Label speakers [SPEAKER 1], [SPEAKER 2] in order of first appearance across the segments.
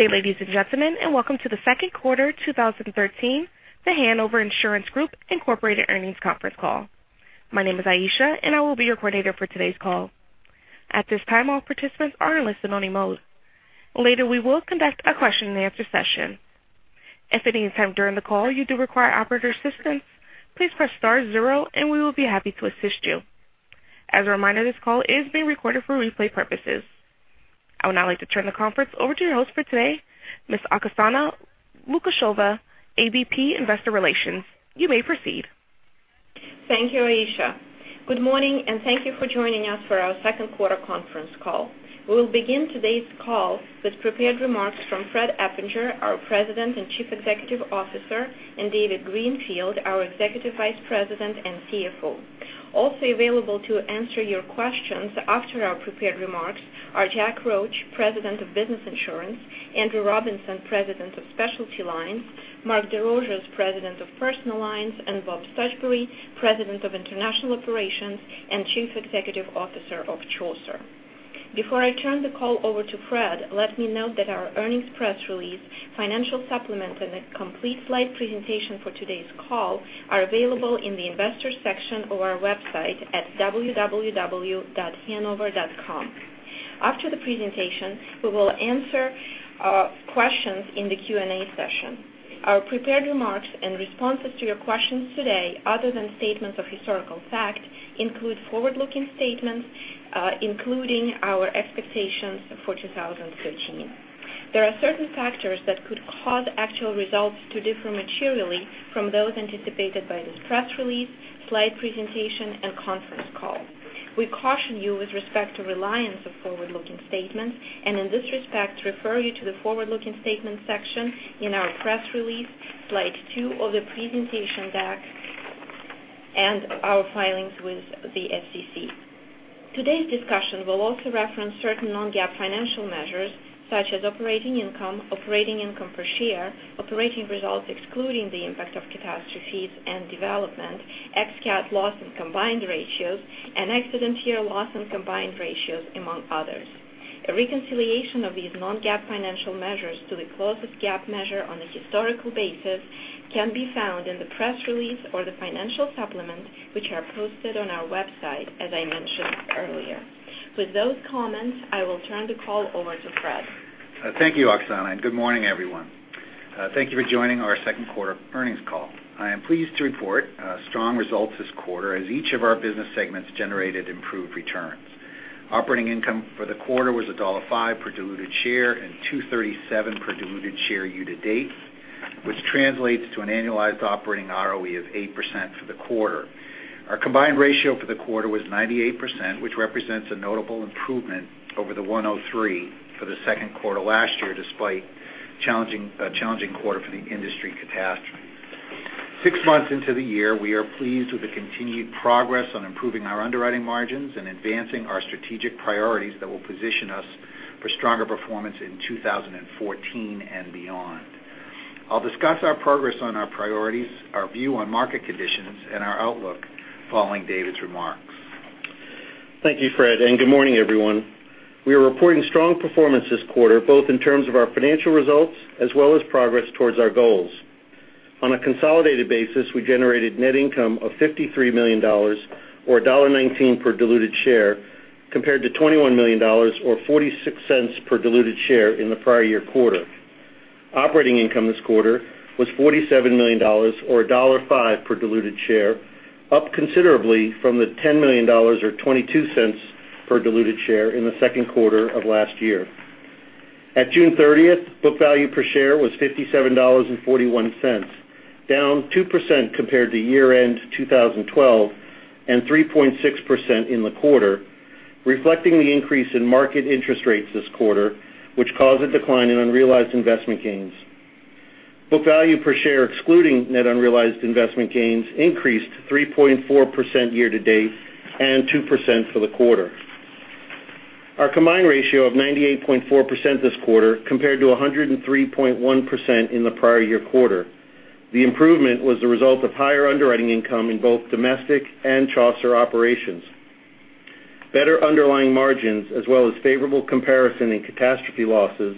[SPEAKER 1] Good day, ladies and gentlemen, and welcome to the second quarter 2013, The Hanover Insurance Group, Inc. earnings conference call. My name is Aisha, and I will be your coordinator for today's call. At this time, all participants are in listen-only mode. Later, we will conduct a question and answer session. If at any time during the call you do require operator assistance, please press star zero and we will be happy to assist you. As a reminder, this call is being recorded for replay purposes. I would now like to turn the conference over to your host for today, Ms. Oksana Lukasheva, AVP Investor Relations. You may proceed.
[SPEAKER 2] Thank you, Aisha. Good morning and thank you for joining us for our second quarter conference call. We will begin today's call with prepared remarks from Fred Eppinger, our President and Chief Executive Officer, and David Greenfield, our Executive Vice President and CFO. Also available to answer your questions after our prepared remarks are Jack Roche, President of Business Insurance, Andrew Robinson, President of Specialty Lines, Mark Desrosiers, President of Personal Lines, and Bob Stuchbery, President of International Operations and Chief Executive Officer of Chaucer. Before I turn the call over to Fred, let me note that our earnings press release, financial supplement, and the complete slide presentation for today's call are available in the investors section of our website at www.hanover.com. After the presentation, we will answer questions in the Q&A session. Our prepared remarks and responses to your questions today, other than statements of historical fact, include forward-looking statements, including our expectations for 2013. There are certain factors that could cause actual results to differ materially from those anticipated by this press release, slide two of the presentation deck, and our filings with the SEC. Today's discussion will also reference certain non-GAAP financial measures, such as operating income, operating income per share, operating results excluding the impact of catastrophes and development, ex-cat loss and combined ratios, and accident year loss and combined ratios, among others. A reconciliation of these non-GAAP financial measures to the closest GAAP measure on a historical basis can be found in the press release or the financial supplement, which are posted on our website, as I mentioned earlier. With those comments, I will turn the call over to Fred.
[SPEAKER 3] Thank you, Oksana. Good morning, everyone. Thank you for joining our second quarter earnings call. I am pleased to report strong results this quarter as each of our business segments generated improved returns. Operating income for the quarter was $1.05 per diluted share $2.37 per diluted share year to date, which translates to an annualized operating ROE of 8% for the quarter. Our combined ratio for the quarter was 98%, which represents a notable improvement over the 103 for the second quarter last year, despite a challenging quarter for the industry catastrophe. Six months into the year, we are pleased with the continued progress on improving our underwriting margins advancing our strategic priorities that will position us for stronger performance in 2014 beyond. I will discuss our progress on our priorities, our view on market conditions, our outlook following David's remarks.
[SPEAKER 4] Thank you, Fred. Good morning, everyone. We are reporting strong performance this quarter, both in terms of our financial results as well as progress towards our goals. On a consolidated basis, we generated net income of $53 million, or $1.19 per diluted share, compared to $21 million or $0.46 per diluted share in the prior year quarter. Operating income this quarter was $47 million, or $1.05 per diluted share, up considerably from the $10 million or $0.22 per diluted share in the second quarter of last year. At June 30th, book value per share was $57.41, down 2% compared to year-end 2012 3.6% in the quarter, reflecting the increase in market interest rates this quarter, which caused a decline in unrealized investment gains. Book value per share excluding net unrealized investment gains increased 3.4% year to date 2% for the quarter. Our combined ratio of 98.4% this quarter compared to 103.1% in the prior year quarter. The improvement was the result of higher underwriting income in both domestic and Chaucer operations. Better underlying margins, as well as favorable comparison in catastrophe losses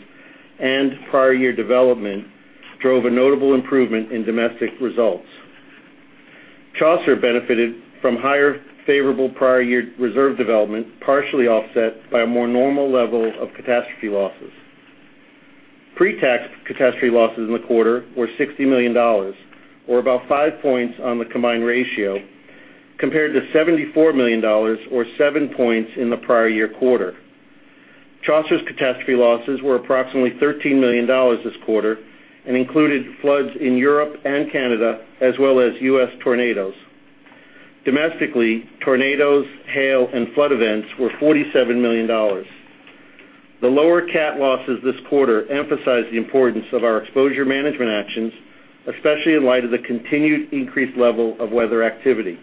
[SPEAKER 4] and prior year development, drove a notable improvement in domestic results. Chaucer benefited from higher favorable prior year reserve development, partially offset by a more normal level of catastrophe losses. Pre-tax catastrophe losses in the quarter were $60 million, or about five points on the combined ratio, compared to $74 million, or seven points in the prior year quarter. Chaucer's catastrophe losses were approximately $13 million this quarter and included floods in Europe and Canada, as well as U.S. tornadoes. Domestically, tornadoes, hail, and flood events were $47 million. The lower cat losses this quarter emphasize the importance of our exposure management actions, especially in light of the continued increased level of weather activity.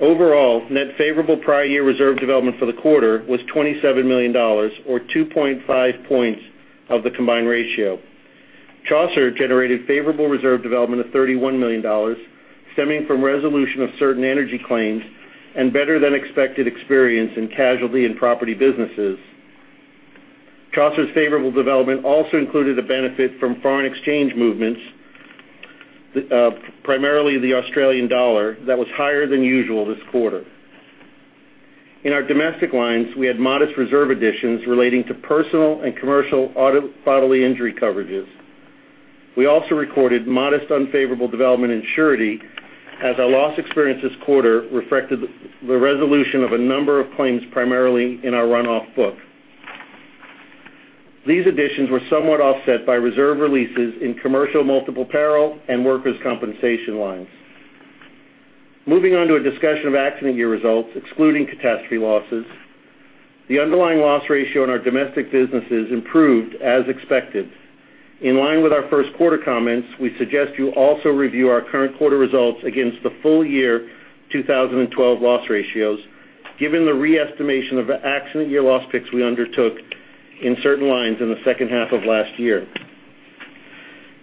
[SPEAKER 4] Overall, net favorable prior year reserve development for the quarter was $27 million, or 2.5 points of the combined ratio. Chaucer generated favorable reserve development of $31 million, stemming from resolution of certain energy claims and better than expected experience in casualty and property businesses. Chaucer's favorable development also included a benefit from foreign exchange movements, primarily the Australian dollar, that was higher than usual this quarter. In our domestic lines, we had modest reserve additions relating to personal and commercial auto bodily injury coverages. We also recorded modest unfavorable development in surety, as our loss experience this quarter reflected the resolution of a number of claims, primarily in our run-off book. These additions were somewhat offset by reserve releases in commercial multiple peril and workers' compensation lines. Moving on to a discussion of accident year results, excluding catastrophe losses, the underlying loss ratio in our domestic businesses improved as expected. In line with our first quarter comments, we suggest you also review our current quarter results against the full year 2012 loss ratios, given the re-estimation of the accident year loss picks we undertook in certain lines in the second half of last year.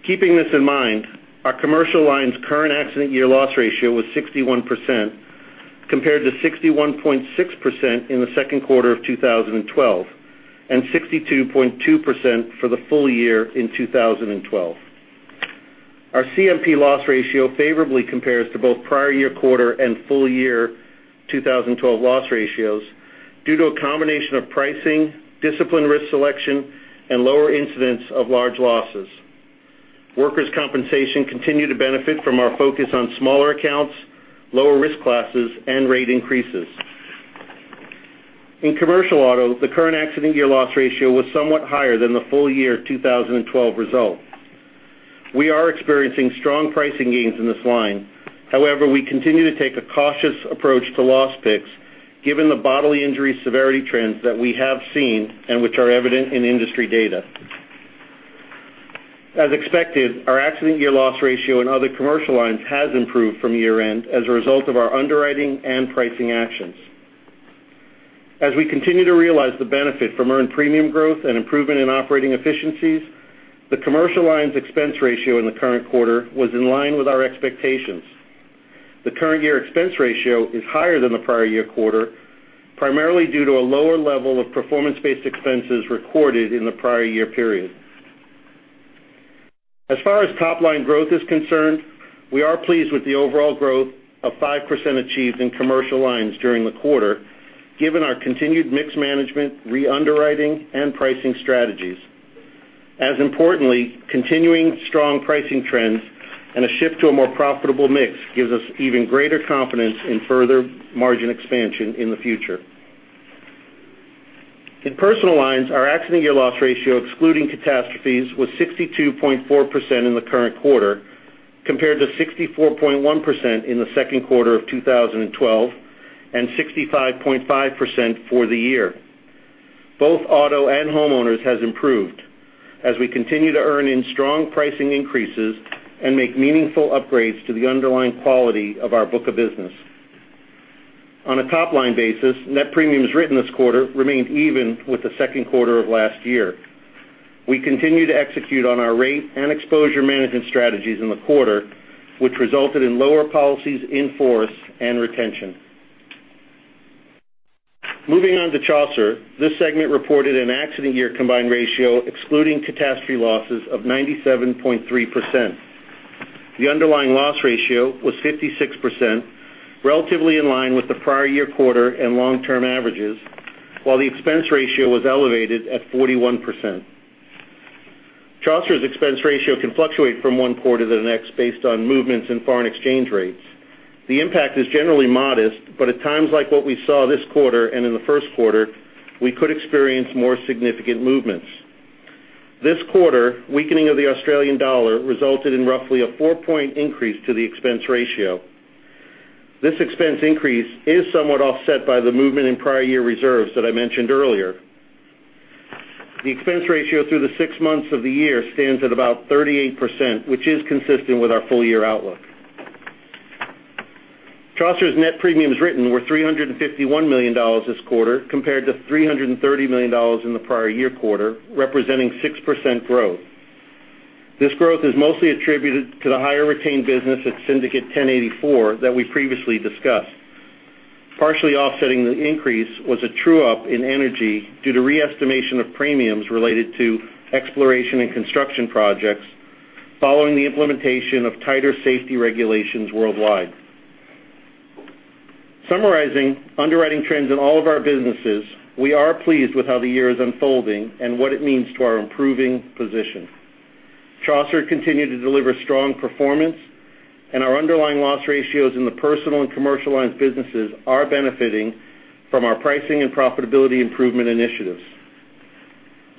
[SPEAKER 4] Keeping this in mind, our commercial lines current accident year loss ratio was 61%, compared to 61.6% in the second quarter of 2012, and 62.2% for the full year in 2012. Our CMP loss ratio favorably compares to both prior year quarter and full year 2012 loss ratios due to a combination of pricing, disciplined risk selection, and lower incidents of large losses. Workers' compensation continued to benefit from our focus on smaller accounts, lower risk classes, and rate increases. In commercial auto, the current accident year loss ratio was somewhat higher than the full year 2012 result. We are experiencing strong pricing gains in this line. However, we continue to take a cautious approach to loss picks, given the bodily injury severity trends that we have seen and which are evident in industry data. As expected, our accident year loss ratio in other commercial lines has improved from year-end as a result of our underwriting and pricing actions. As we continue to realize the benefit from earned premium growth and improvement in operating efficiencies, the commercial lines expense ratio in the current quarter was in line with our expectations. The current year expense ratio is higher than the prior year quarter, primarily due to a lower level of performance-based expenses recorded in the prior year period. As far as top-line growth is concerned, we are pleased with the overall growth of 5% achieved in commercial lines during the quarter, given our continued mixed management re-underwriting and pricing strategies. As importantly, continuing strong pricing trends and a shift to a more profitable mix gives us even greater confidence in further margin expansion in the future. In personal lines, our accident year loss ratio, excluding catastrophes, was 62.4% in the current quarter, compared to 64.1% in the second quarter of 2012, and 65.5% for the year. Both auto and homeowners has improved as we continue to earn in strong pricing increases and make meaningful upgrades to the underlying quality of our book of business. On a top-line basis, net premiums written this quarter remained even with the second quarter of last year. We continue to execute on our rate and exposure management strategies in the quarter, which resulted in lower policies in force and retention. Moving on to Chaucer. This segment reported an accident year combined ratio excluding catastrophe losses of 97.3%. The underlying loss ratio was 56%, relatively in line with the prior year quarter and long-term averages. While the expense ratio was elevated at 41%. Chaucer's expense ratio can fluctuate from one quarter to the next based on movements in foreign exchange rates. The impact is generally modest, but at times like what we saw this quarter and in the first quarter, we could experience more significant movements. This quarter, weakening of the Australian dollar resulted in roughly a four-point increase to the expense ratio. This expense increase is somewhat offset by the movement in prior year reserves that I mentioned earlier. The expense ratio through the 6 months of the year stands at about 38%, which is consistent with our full year outlook. Chaucer's net premiums written were $351 million this quarter, compared to $330 million in the prior year quarter, representing 6% growth. This growth is mostly attributed to the higher retained business at Syndicate 1084 that we previously discussed. Partially offsetting the increase was a true-up in energy due to re-estimation of premiums related to exploration and construction projects following the implementation of tighter safety regulations worldwide. Summarizing underwriting trends in all of our businesses, we are pleased with how the year is unfolding and what it means to our improving position. Chaucer continued to deliver strong performance. Our underlying loss ratios in the personal and commercial lines businesses are benefiting from our pricing and profitability improvement initiatives.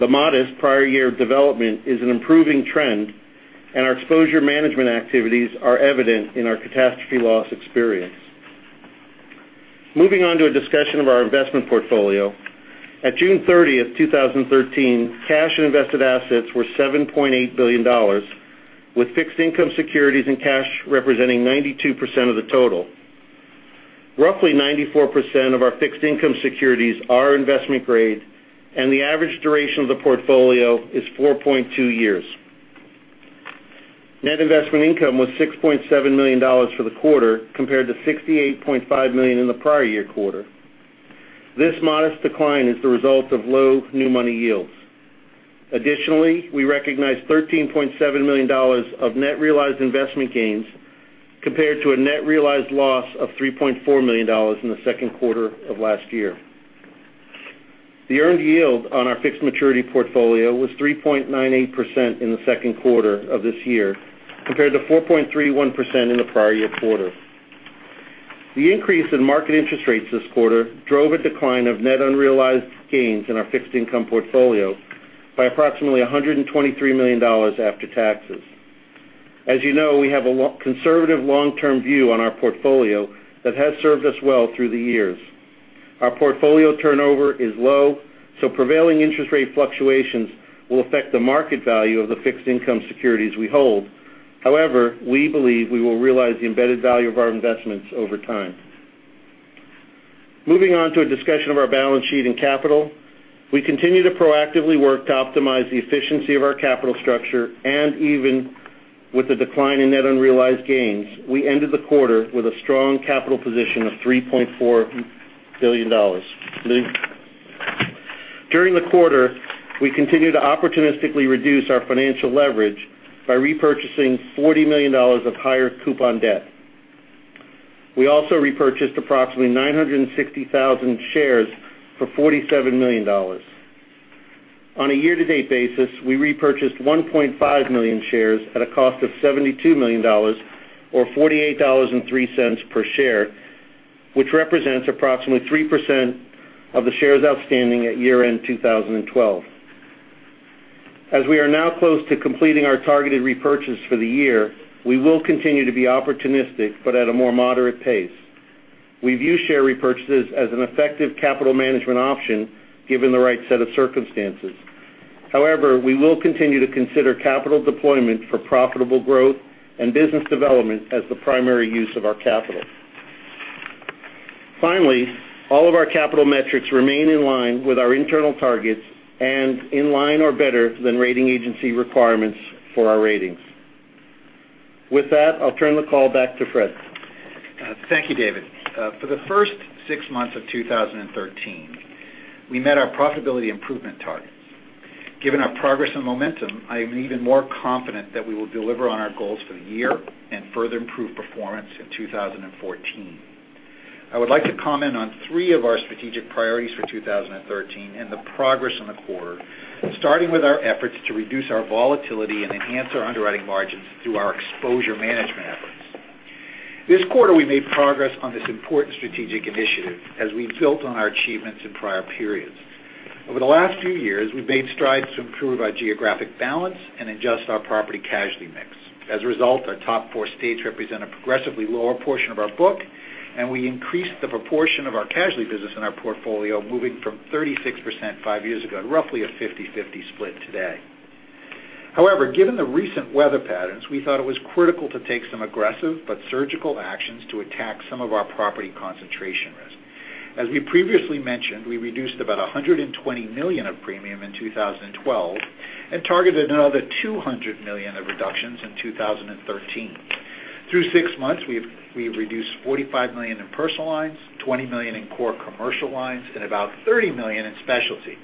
[SPEAKER 4] The modest prior year development is an improving trend. Our exposure management activities are evident in our catastrophe loss experience. Moving on to a discussion of our investment portfolio. At June 30th, 2013, cash and invested assets were $7.8 billion, with fixed income securities and cash representing 92% of the total. Roughly 94% of our fixed income securities are investment grade. The average duration of the portfolio is 4.2 years. Net investment income was $6.7 million for the quarter, compared to $68.5 million in the prior year quarter. This modest decline is the result of low new money yields. Additionally, we recognized $13.7 million of net realized investment gains compared to a net realized loss of $3.4 million in the second quarter of last year. The earned yield on our fixed maturity portfolio was 3.98% in the second quarter of this year compared to 4.31% in the prior year quarter. The increase in market interest rates this quarter drove a decline of net unrealized gains in our fixed income portfolio by approximately $123 million after taxes. As you know, we have a conservative long-term view on our portfolio that has served us well through the years. Our portfolio turnover is low. Prevailing interest rate fluctuations will affect the market value of the fixed income securities we hold. However, we believe we will realize the embedded value of our investments over time. Moving on to a discussion of our balance sheet and capital. We continue to proactively work to optimize the efficiency of our capital structure. Even with the decline in net unrealized gains, we ended the quarter with a strong capital position of $3.4 billion. During the quarter, we continued to opportunistically reduce our financial leverage by repurchasing $40 million of higher coupon debt. We also repurchased approximately 960,000 shares for $47 million. On a year-to-date basis, we repurchased 1.5 million shares at a cost of $72 million or $48.03 per share, which represents approximately 3% of the shares outstanding at year-end 2012. We are now close to completing our targeted repurchase for the year. We will continue to be opportunistic, but at a more moderate pace. We view share repurchases as an effective capital management option given the right set of circumstances. We will continue to consider capital deployment for profitable growth and business development as the primary use of our capital. All of our capital metrics remain in line with our internal targets and in line or better than rating agency requirements for our ratings. With that, I'll turn the call back to Fred.
[SPEAKER 3] Thank you, David. For the first six months of 2013, we met our profitability improvement targets. Given our progress and momentum, I am even more confident that we will deliver on our goals for the year and further improve performance in 2014. I would like to comment on three of our strategic priorities for 2013 and the progress in the quarter, starting with our efforts to reduce our volatility and enhance our underwriting margins through our exposure management efforts. This quarter, we made progress on this important strategic initiative as we built on our achievements in prior periods. Over the last few years, we've made strides to improve our geographic balance and adjust our property casualty mix. As a result, our top four states represent a progressively lower portion of our book, and we increased the proportion of our casualty business in our portfolio, moving from 36% five years ago to roughly a 50/50 split today. However, given the recent weather patterns, we thought it was critical to take some aggressive but surgical actions to attack some of our property concentration risk. As we previously mentioned, we reduced about $120 million of premium in 2012 and targeted another $200 million of reductions in 2013. Through six months, we've reduced $45 million in personal lines, $20 million in core commercial lines, and about $30 million in specialty.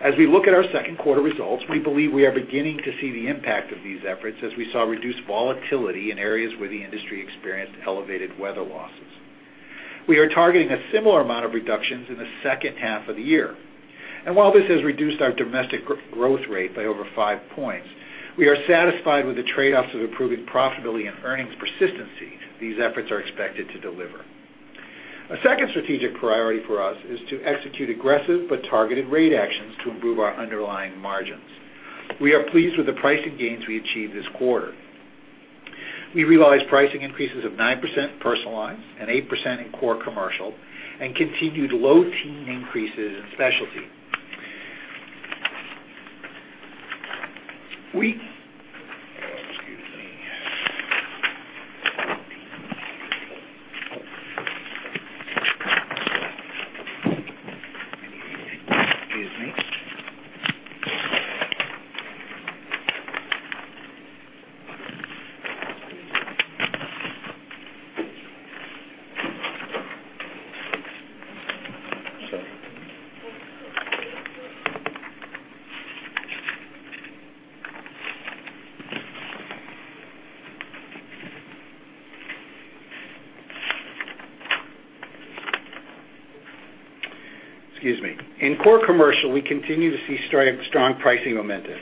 [SPEAKER 3] As we look at our second quarter results, we believe we are beginning to see the impact of these efforts as we saw reduced volatility in areas where the industry experienced elevated weather losses. We are targeting a similar amount of reductions in the second half of the year. While this has reduced our domestic growth rate by over five points, we are satisfied with the trade-offs of improving profitability and earnings persistency these efforts are expected to deliver. A second strategic priority for us is to execute aggressive but targeted rate actions to improve our underlying margins. We are pleased with the pricing gains we achieved this quarter. We realized pricing increases of 9% in personal lines and 8% in core commercial and continued low teen increases in specialty. Excuse me. In core commercial, we continue to see strong pricing momentum.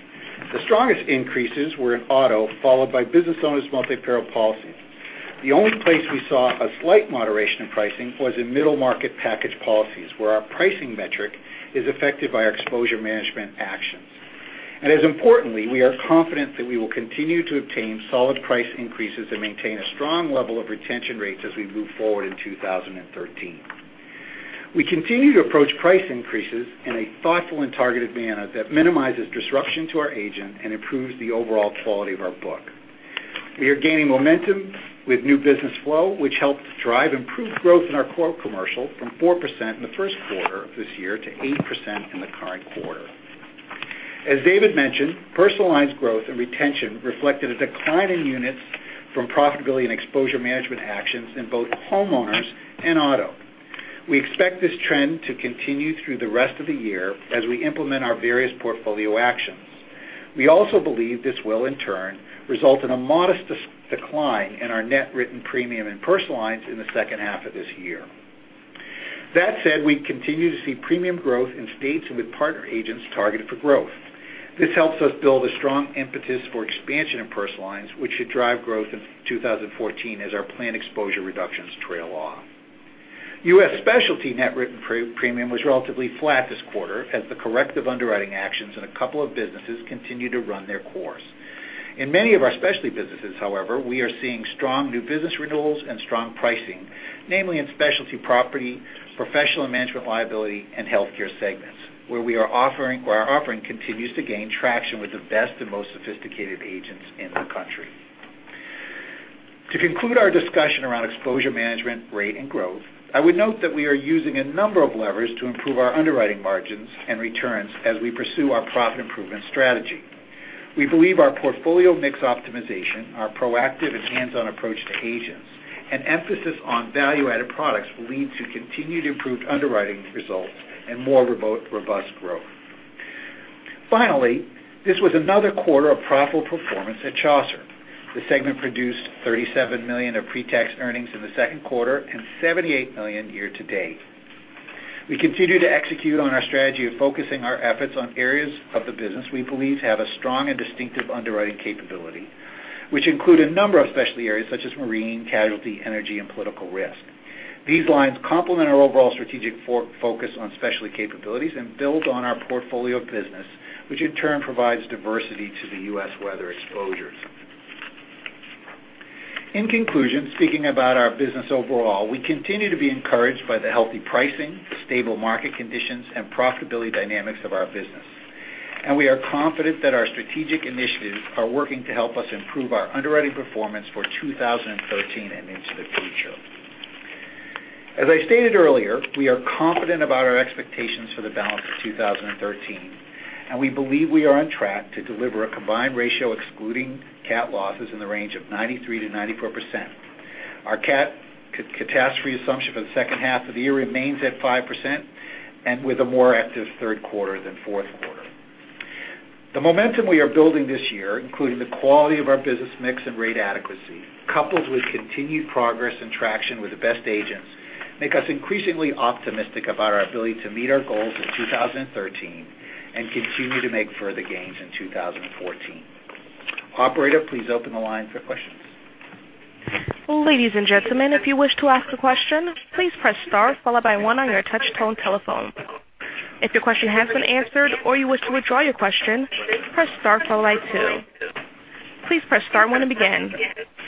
[SPEAKER 3] The strongest increases were in auto, followed by business owners' multi-peril policies. The only place we saw a slight moderation in pricing was in middle market package policies, where our pricing metric is affected by our exposure management actions. As importantly, we are confident that we will continue to obtain solid price increases and maintain a strong level of retention rates as we move forward in 2013. We continue to approach price increases in a thoughtful and targeted manner that minimizes disruption to our agent and improves the overall quality of our book. We are gaining momentum with new business flow, which helped drive improved growth in our core commercial from 4% in the first quarter of this year to 8% in the current quarter. As David mentioned, personal lines growth and retention reflected a decline in units from profitability and exposure management actions in both homeowners and auto. We expect this trend to continue through the rest of the year as we implement our various portfolio actions. We also believe this will, in turn, result in a modest decline in our net written premium and personal lines in the second half of this year. That said, we continue to see premium growth in states and with partner agents targeted for growth. This helps us build a strong impetus for expansion in personal lines, which should drive growth in 2014 as our planned exposure reductions trail off. U.S. specialty net written premium was relatively flat this quarter as the corrective underwriting actions in a couple of businesses continue to run their course. In many of our specialty businesses, however, we are seeing strong new business renewals and strong pricing, namely in specialty property, professional and management liability, and healthcare segments, where our offering continues to gain traction with the best and most sophisticated agents in the country. To conclude our discussion around exposure management, rate, and growth, I would note that we are using a number of levers to improve our underwriting margins and returns as we pursue our profit improvement strategy. We believe our portfolio mix optimization, our proactive and hands-on approach to agents, and emphasis on value-added products will lead to continued improved underwriting results and more robust growth. Finally, this was another quarter of profitable performance at Chaucer. The segment produced $37 million of pre-tax earnings in the second quarter and $78 million year to date. We continue to execute on our strategy of focusing our efforts on areas of the business we believe have a strong and distinctive underwriting capability, which include a number of specialty areas such as marine, casualty, energy, and political risk. These lines complement our overall strategic focus on specialty capabilities and build on our portfolio of business, which in turn provides diversity to the U.S. weather exposures. In conclusion, speaking about our business overall, we continue to be encouraged by the healthy pricing, stable market conditions, and profitability dynamics of our business. We are confident that our strategic initiatives are working to help us improve our underwriting performance for 2013 and into the future. As I stated earlier, we are confident about our expectations for the balance of 2013, and we believe we are on track to deliver a combined ratio excluding cat losses in the range of 93%-94%. Our cat catastrophe assumption for the second half of the year remains at 5%, and with a more active third quarter than fourth quarter. The momentum we are building this year, including the quality of our business mix and rate adequacy, coupled with continued progress and traction with the best agents, make us increasingly optimistic about our ability to meet our goals in 2013 and continue to make further gains in 2014. Operator, please open the line for questions.
[SPEAKER 1] Ladies and gentlemen, if you wish to ask a question, please press star followed by one on your touch tone telephone. If your question has been answered or you wish to withdraw your question, press star followed by two. Please press star one to begin.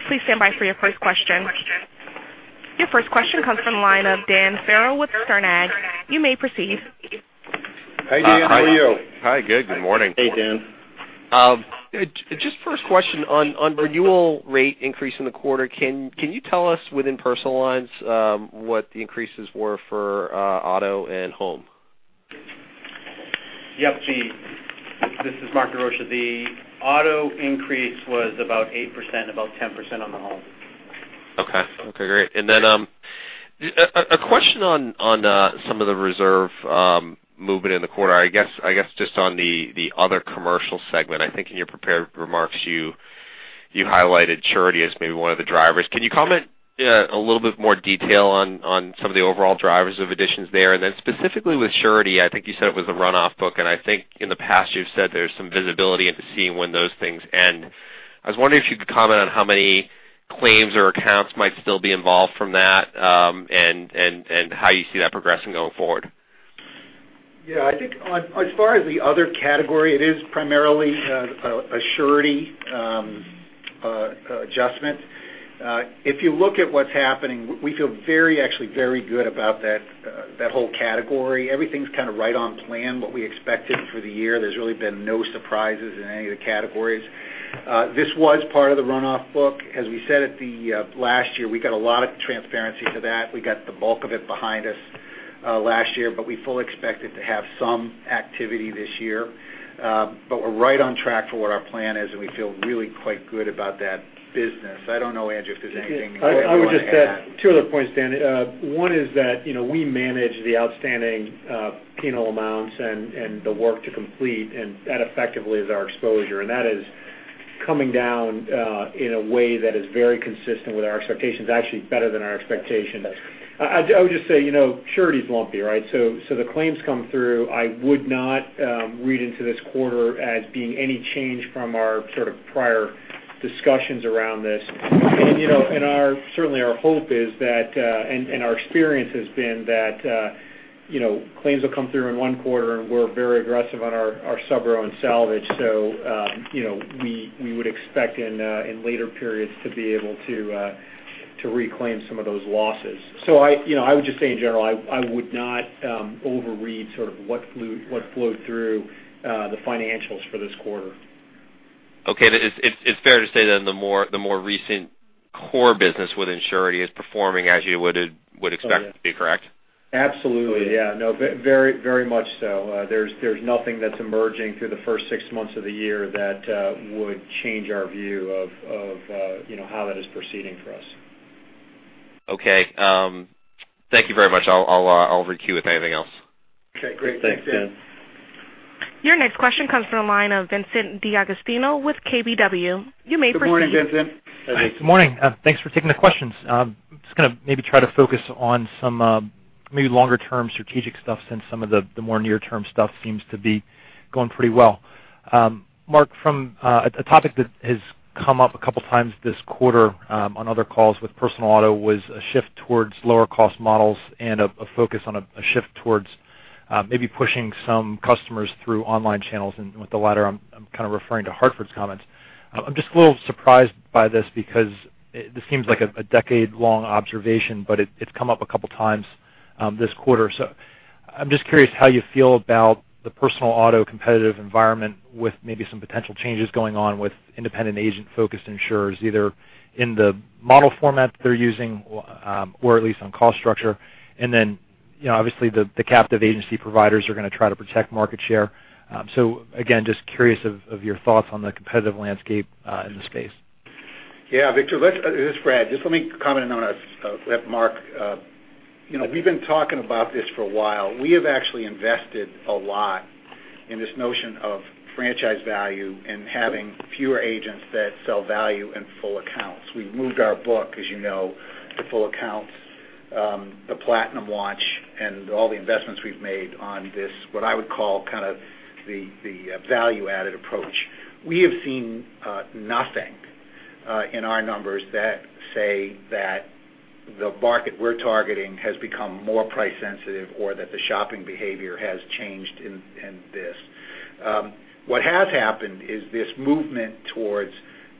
[SPEAKER 1] Please stand by for your first question. Your first question comes from the line of Dan Farrell with Sterne Agee. You may proceed.
[SPEAKER 3] Hi, Dan. How are you?
[SPEAKER 5] Hi. Good. Good morning.
[SPEAKER 4] Hey, Dan.
[SPEAKER 5] First question on renewal rate increase in the quarter. Can you tell us within personal lines, what the increases were for auto and home?
[SPEAKER 6] Yep. This is Mark Desrosiers. The auto increase was about 8%, about 10% on the home.
[SPEAKER 5] Okay. Great. A question on some of the reserve movement in the quarter. I guess just on the other commercial segment, I think in your prepared remarks, you highlighted surety as maybe one of the drivers. Can you comment a little bit more detail on some of the overall drivers of additions there? Specifically with surety, I think you said it was a runoff book, and I think in the past you've said there's some visibility into seeing when those things end. I was wondering if you could comment on how many claims or accounts might still be involved from that, and how you see that progressing going forward.
[SPEAKER 3] I think as far as the other category, it is primarily a surety adjustment. If you look at what's happening, we feel actually very good about that whole category. Everything's kind of right on plan, what we expected for the year. There's really been no surprises in any of the categories. This was part of the runoff book. As we said at the last year, we got a lot of transparency to that. We got the bulk of it behind us last year, we fully expect it to have some activity this year. We're right on track for what our plan is, and we feel really quite good about that business. I don't know, Andrew, if there's anything you want to add.
[SPEAKER 7] I would just add two other points, Dan. One is that we manage the outstanding penal amounts and the work to complete, and that effectively is our exposure. That is coming down in a way that is very consistent with our expectations, actually better than our expectations. I would just say, surety's lumpy, right? The claims come through. I would not read into this quarter as being any change from our sort of prior discussions around this. Certainly our hope is that, and our experience has been that claims will come through in one quarter and we're very aggressive on our subrogation and salvage. We would expect in later periods to be able to
[SPEAKER 3] To reclaim some of those losses. I would just say in general, I would not overread sort of what flowed through the financials for this quarter.
[SPEAKER 5] Okay. It's fair to say the more recent core business with Insurity is performing as you would expect it to be, correct?
[SPEAKER 3] Absolutely. Yeah. No, very much so. There's nothing that's emerging through the first six months of the year that would change our view of how that is proceeding for us.
[SPEAKER 5] Okay. Thank you very much. I'll re-queue with anything else.
[SPEAKER 3] Okay, great. Thanks, Dan.
[SPEAKER 1] Your next question comes from the line of Vincent D'Agostino with KBW. You may proceed.
[SPEAKER 3] Good morning, Vincent.
[SPEAKER 8] Hi, good morning. Thanks for taking the questions. Just going to maybe try to focus on some maybe longer term strategic stuff since some of the more near-term stuff seems to be going pretty well. Mark, from a topic that has come up a couple of times this quarter on other calls with personal auto was a shift towards lower cost models and a focus on a shift towards maybe pushing some customers through online channels. With the latter, I'm kind of referring to The Hartford's comments. I'm just a little surprised by this because this seems like a decade-long observation, but it's come up a couple of times this quarter. I'm just curious how you feel about the personal auto competitive environment with maybe some potential changes going on with independent agent-focused insurers, either in the model format they're using or at least on cost structure. Obviously the captive agency providers are going to try to protect market share. Again, just curious of your thoughts on the competitive landscape in this space.
[SPEAKER 3] Yeah, Vincent. This is Fred. Just let me comment on that Mark. We've been talking about this for a while. We have actually invested a lot in this notion of franchise value and having fewer agents that sell value and full accounts. We've moved our book, as you know, to full accounts, the Platinum Watch, and all the investments we've made on this, what I would call the value-added approach. We have seen nothing in our numbers that say that the market we're targeting has become more price sensitive or that the shopping behavior has changed in this. What has happened is this movement towards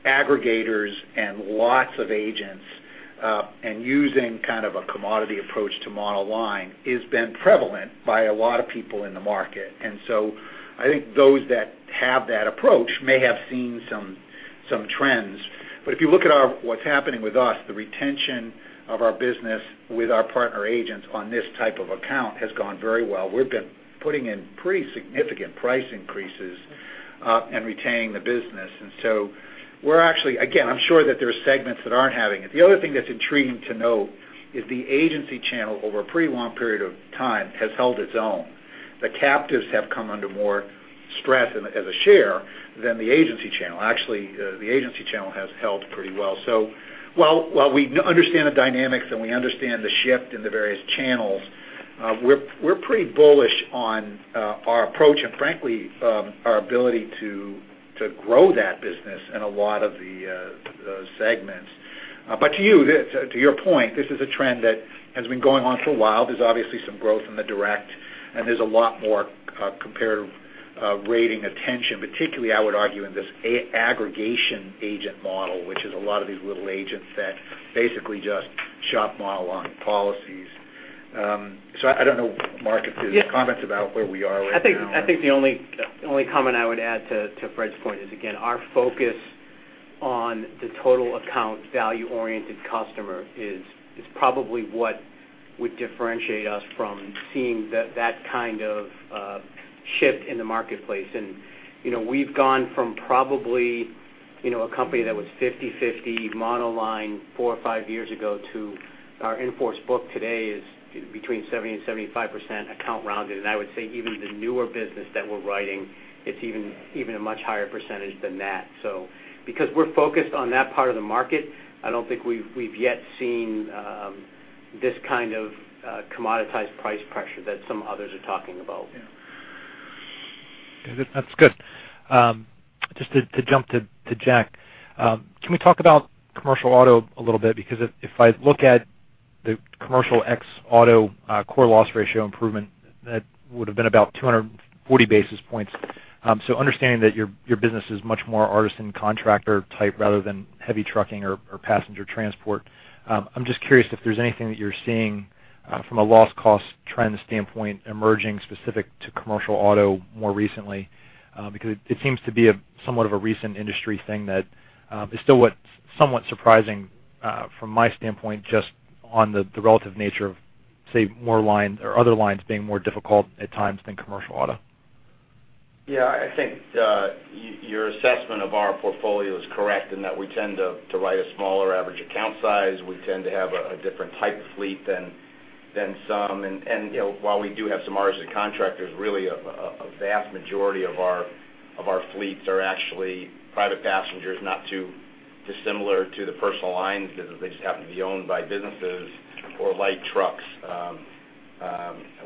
[SPEAKER 3] aggregators and lots of agents, and using kind of a commodity approach to model line, has been prevalent by a lot of people in the market. I think those that have that approach may have seen some trends. If you look at what's happening with us, the retention of our business with our partner agents on this type of account has gone very well. We've been putting in pretty significant price increases and retaining the business. We're actually, again, I'm sure that there are segments that aren't having it. The other thing that's intriguing to note is the agency channel, over a pretty long period of time, has held its own. The captives have come under more stress as a share than the agency channel. The agency channel has held pretty well. While we understand the dynamics and we understand the shift in the various channels, we're pretty bullish on our approach and frankly our ability to grow that business in a lot of the segments. To your point, this is a trend that has been going on for a while. There's obviously some growth in the direct, and there's a lot more comparative rating attention, particularly I would argue, in this aggregation agent model, which is a lot of these little agents that basically just shop model on policies. I don't know, Mark, if you could comment about where we are right now.
[SPEAKER 6] I think the only comment I would add to Fred's point is, again, our focus on the total account value-oriented customer is probably what would differentiate us from seeing that kind of shift in the marketplace. We've gone from probably a company that was 50/50 monoline four or five years ago to our in-force book today is between 70% and 75% account rounded. I would say even the newer business that we're writing, it's even a much higher percentage than that. Because we're focused on that part of the market, I don't think we've yet seen this kind of commoditized price pressure that some others are talking about.
[SPEAKER 3] Yeah.
[SPEAKER 8] That's good. Just to jump to Jack. Can we talk about commercial auto a little bit? If I look at the commercial ex auto core loss ratio improvement, that would've been about 240 basis points. Understanding that your business is much more artisan contractor type rather than heavy trucking or passenger transport, I'm just curious if there's anything that you're seeing from a loss cost trend standpoint emerging specific to commercial auto more recently. It seems to be somewhat of a recent industry thing that is still somewhat surprising from my standpoint, just on the relative nature of, say, other lines being more difficult at times than commercial auto.
[SPEAKER 9] Yeah, I think your assessment of our portfolio is correct in that we tend to write a smaller average account size. We tend to have a different type of fleet than some. While we do have some artisan contractors, really a vast majority of our fleets are actually private passengers, not too dissimilar to the personal lines business. They just happen to be owned by businesses or light trucks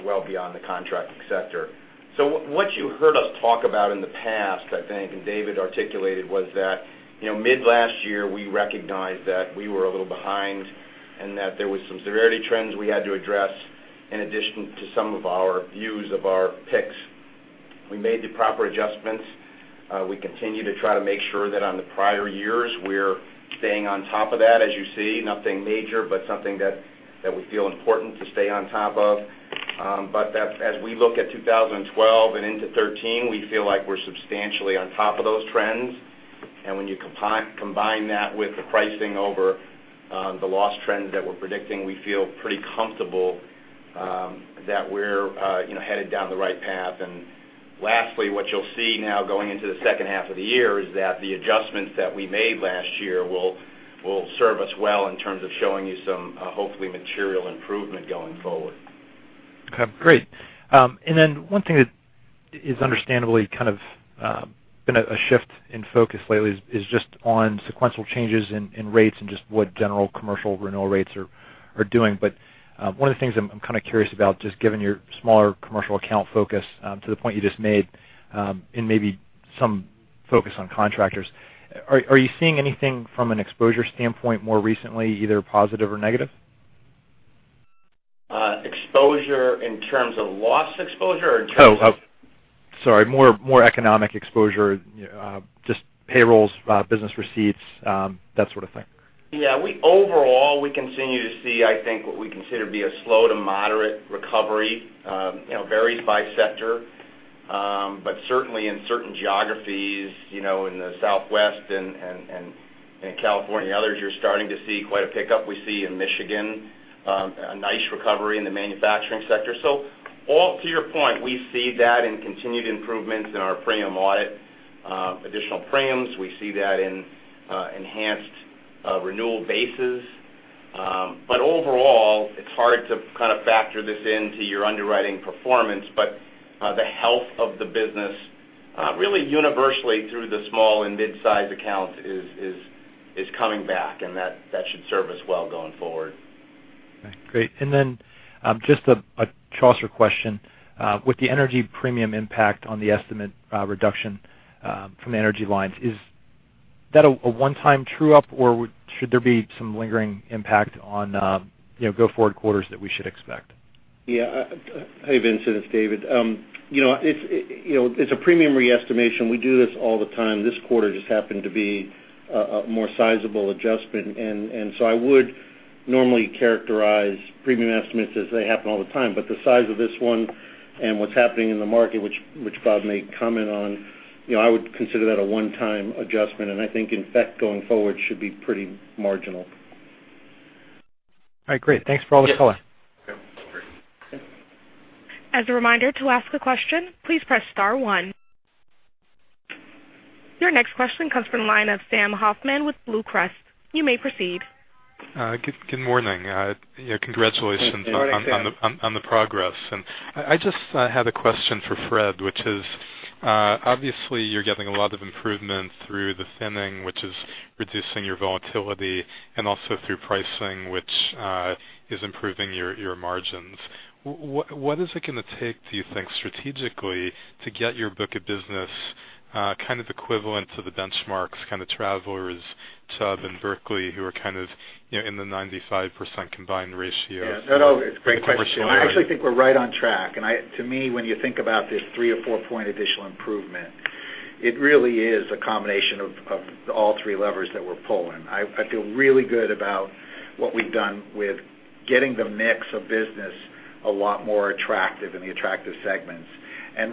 [SPEAKER 9] well beyond the contracting sector. What you heard us talk about in the past, I think, and David articulated, was that mid-last year, we recognized that we were a little behind and that there was some severity trends we had to address in addition to some of our views of our picks. We made the proper adjustments. We continue to try to make sure that on the prior years, we're staying on top of that. As you see, nothing major, but something that we feel important to stay on top of. As we look at 2012 and into 2013, we feel like we're substantially on top of those trends. When you combine that with the pricing over the loss trends that we're predicting, we feel pretty comfortable that we're headed down the right path. Lastly, what you'll see now going into the second half of the year is that the adjustments that we made last year will serve us well in terms of showing you some, hopefully, material improvement going forward.
[SPEAKER 8] Okay, great. One thing that is understandably kind of been a shift in focus lately is just on sequential changes in rates and just what general commercial renewal rates are doing. One of the things I'm kind of curious about, just given your smaller commercial account focus to the point you just made, and maybe some focus on contractors, are you seeing anything from an exposure standpoint more recently, either positive or negative?
[SPEAKER 3] Exposure in terms of loss exposure or in terms of-
[SPEAKER 8] Oh, sorry, more economic exposure, just payrolls, business receipts, that sort of thing.
[SPEAKER 9] Yeah. Overall, we continue to see, I think, what we consider to be a slow to moderate recovery, varies by sector. Certainly in certain geographies, in the Southwest and in California, others, you're starting to see quite a pickup. We see in Michigan, a nice recovery in the manufacturing sector. All to your point, we see that in continued improvements in our premium audit, additional premiums. We see that in enhanced renewal bases. Overall, it's hard to kind of factor this into your underwriting performance. The health of the business, really universally through the small and mid-size accounts is coming back, and that should serve us well going forward.
[SPEAKER 8] Okay, great. Just a Chaucer question. With the energy premium impact on the estimate reduction from energy lines, is that a one-time true-up, or should there be some lingering impact on go forward quarters that we should expect?
[SPEAKER 4] Yeah. Hey, Vincent, it's David. It's a premium re-estimation. We do this all the time. This quarter just happened to be a more sizable adjustment, I would normally characterize premium estimates as they happen all the time. The size of this one and what's happening in the market, which Bob may comment on, I would consider that a one-time adjustment, and I think in effect, going forward, should be pretty marginal.
[SPEAKER 8] All right, great. Thanks for all the color.
[SPEAKER 4] Yep.
[SPEAKER 3] Okay, great.
[SPEAKER 8] Thanks.
[SPEAKER 1] As a reminder, to ask a question, please press star one. Your next question comes from the line of Sam Hoffman with BlueCrest. You may proceed.
[SPEAKER 10] Good morning.
[SPEAKER 3] Good morning, Sam.
[SPEAKER 10] Congratulations on the progress. I just had a question for Fred, which is, obviously, you're getting a lot of improvement through the thinning, which is reducing your volatility, and also through pricing, which is improving your margins. What is it going to take, do you think, strategically, to get your book of business kind of equivalent to the benchmarks, kind of Travelers, Chubb, and Berkley, who are kind of in the 95% combined ratio for-
[SPEAKER 3] Yeah. No, it's a great question
[SPEAKER 10] commercial line?
[SPEAKER 3] I actually think we're right on track. To me, when you think about this three or four point additional improvement, it really is a combination of all three levers that we're pulling. I feel really good about what we've done with getting the mix of business a lot more attractive in the attractive segments.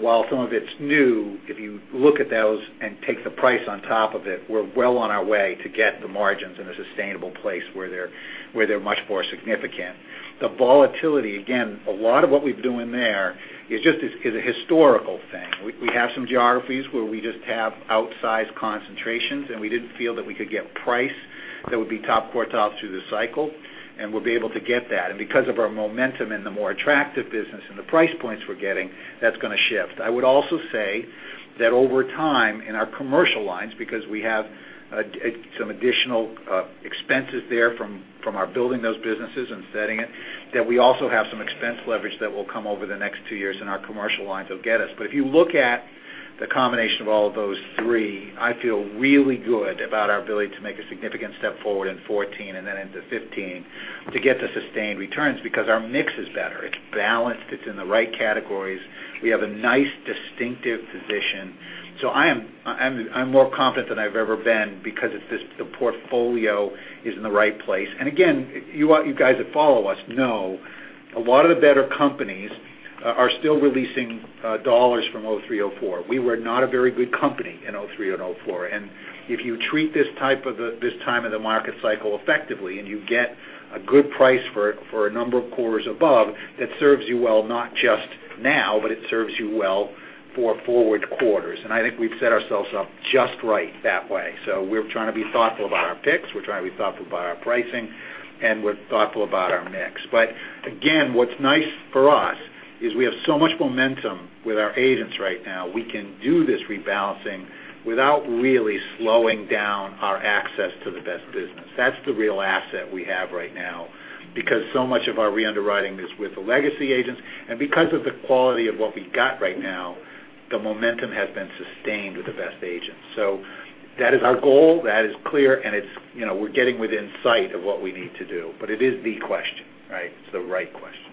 [SPEAKER 3] While some of it's new, if you look at those and take the price on top of it, we're well on our way to get the margins in a sustainable place where they're much more significant. The volatility, again, a lot of what we're doing there is a historical thing. We have some geographies where we just have outsized concentrations, and we didn't feel that we could get price that would be top quartile through the cycle, and we'll be able to get that. Because of our momentum in the more attractive business and the price points we're getting, that's going to shift. I would also say that over time, in our commercial lines, because we have some additional expenses there from our building those businesses and setting it, that we also have some expense leverage that will come over the next two years in our commercial lines will get us. If you look at the combination of all of those three, I feel really good about our ability to make a significant step forward in 2014 and then into 2015 to get to sustained returns because our mix is better. It's balanced. It's in the right categories. We have a nice distinctive position. I'm more confident than I've ever been because the portfolio is in the right place. Again, you guys that follow us know a lot of the better companies are still releasing dollars from 2003, 2004. We were not a very good company in 2003 and 2004. If you treat this time of the market cycle effectively and you get a good price for a number of quarters above, that serves you well, not just now, but it serves you well for forward quarters. I think we've set ourselves up just right that way. We're trying to be thoughtful about our picks, we're trying to be thoughtful about our pricing, and we're thoughtful about our mix. Again, what's nice for us is we have so much momentum with our agents right now. We can do this rebalancing without really slowing down our access to the best business. That's the real asset we have right now, because so much of our re-underwriting is with the legacy agents. Because of the quality of what we've got right now, the momentum has been sustained with the best agents. That is our goal, that is clear, and we're getting within sight of what we need to do, but it is the question. It's the right question.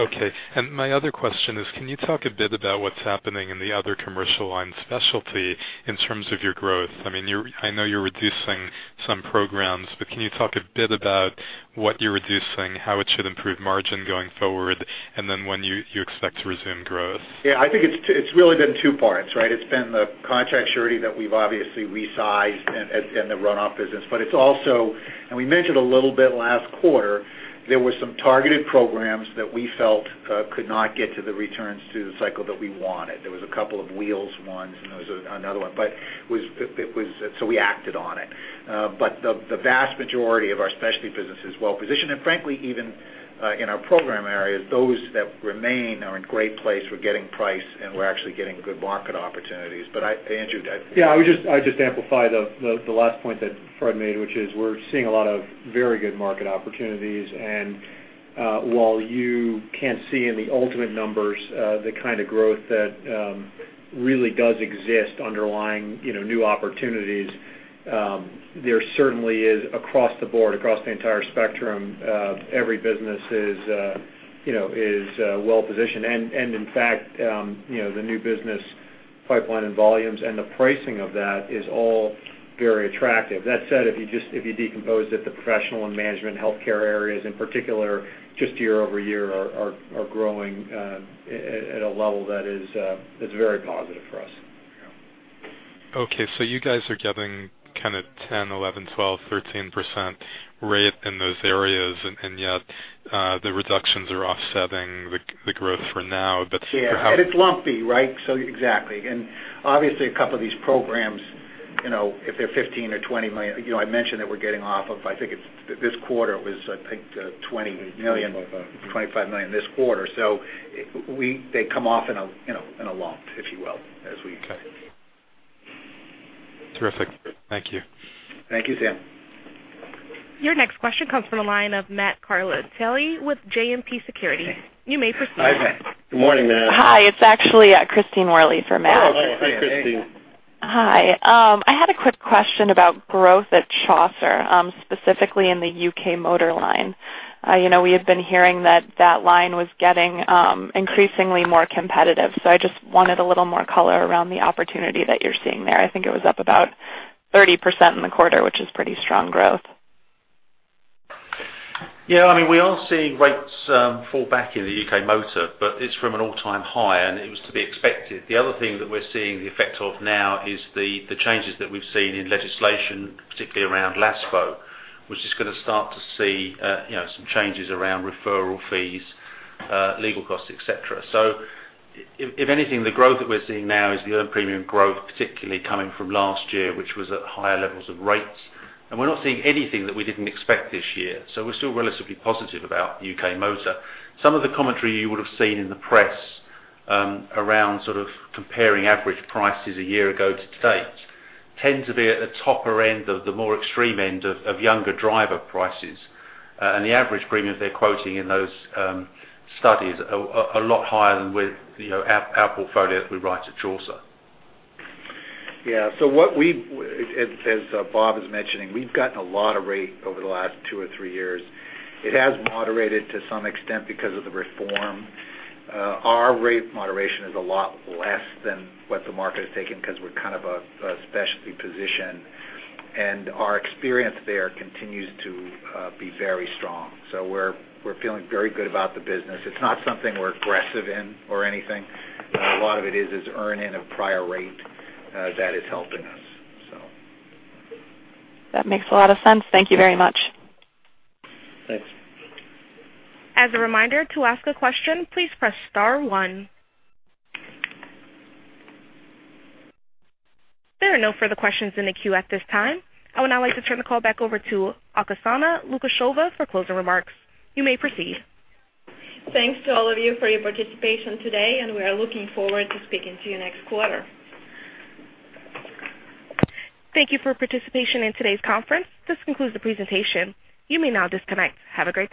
[SPEAKER 10] Okay. My other question is, can you talk a bit about what's happening in the other commercial line specialty in terms of your growth? I know you're reducing some programs, but can you talk a bit about what you're reducing, how it should improve margin going forward, and then when you expect to resume growth?
[SPEAKER 3] Yeah. I think it's really been two parts. It's been the contract surety that we've obviously resized in the runoff business, it's also, we mentioned a little bit last quarter, there were some targeted programs that we felt could not get to the returns to the cycle that we wanted. There was a couple of Wheels ones, and there was another one. We acted on it. The vast majority of our specialty business is well-positioned. Frankly, even in our program areas, those that remain are in great place. We're getting price, and we're actually getting good market opportunities. Andrew,
[SPEAKER 7] Yeah, I would just amplify the last point that Fred made, which is we're seeing a lot of very good market opportunities. While you can't see in the ultimate numbers the kind of growth that really does exist underlying new opportunities, there certainly is across the board, across the entire spectrum, every business is well-positioned. In fact, the new business pipeline and volumes and the pricing of that is all very attractive. That said, if you decomposed at the professional and management healthcare areas in particular, just year-over-year are growing at a level that's very positive for us.
[SPEAKER 10] Okay, you guys are getting 10%, 11%, 12%, 13% rate in those areas, yet the reductions are offsetting the growth for now. Perhaps
[SPEAKER 3] Yeah. It's lumpy. Exactly. Obviously, a couple of these programs, if they're 15 or $20 million, I mentioned that we're getting off of, I think this quarter was, I think, $20 million.
[SPEAKER 7] $20, about that.
[SPEAKER 3] $25 million this quarter. They come off in a lump, if you will, as we-
[SPEAKER 10] Okay. Terrific. Thank you.
[SPEAKER 3] Thank you, Sam.
[SPEAKER 1] Your next question comes from the line of Matt Carletti, Sally with JMP Securities. You may proceed.
[SPEAKER 3] Hi, Matt.
[SPEAKER 7] Good morning, Matt.
[SPEAKER 11] Hi, it's actually Christine Worley for Matt.
[SPEAKER 7] Oh, hi. Hey, Christine.
[SPEAKER 11] Hi. I had a quick question about growth at Chaucer, specifically in the U.K. motor line. We had been hearing that that line was getting increasingly more competitive. I just wanted a little more color around the opportunity that you're seeing there. I think it was up about 30% in the quarter, which is pretty strong growth.
[SPEAKER 12] Yeah, we are seeing rates fall back in the U.K. motor, but it's from an all-time high, and it was to be expected. The other thing that we're seeing the effect of now is the changes that we've seen in legislation, particularly around LASPO, which is going to start to see some changes around referral fees, legal costs, et cetera. If anything, the growth that we're seeing now is the earned premium growth, particularly coming from last year, which was at higher levels of rates. We're not seeing anything that we didn't expect this year. We're still relatively positive about U.K. motor. Some of the commentary you would have seen in the press around comparing average prices a year ago to date tends to be at the topper end of the more extreme end of younger driver prices. The average premium they're quoting in those studies are a lot higher than with our portfolio that we write at Chaucer.
[SPEAKER 3] Yeah. As Bob is mentioning, we've gotten a lot of rate over the last two or three years. It has moderated to some extent because of the reform. Our rate moderation is a lot less than what the market has taken because we're kind of a specialty position. Our experience there continues to be very strong. We're feeling very good about the business. It's not something we're aggressive in or anything. A lot of it is earn in a prior rate that is helping us.
[SPEAKER 11] That makes a lot of sense. Thank you very much.
[SPEAKER 12] Thanks.
[SPEAKER 1] As a reminder, to ask a question, please press star one. There are no further questions in the queue at this time. I would now like to turn the call back over to Oksana Lukasheva for closing remarks. You may proceed.
[SPEAKER 2] Thanks to all of you for your participation today. We are looking forward to speaking to you next quarter.
[SPEAKER 1] Thank you for participation in today's conference. This concludes the presentation. You may now disconnect. Have a great day.